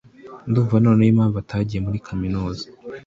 Ndumva noneho impamvu atagiye muri kaminuza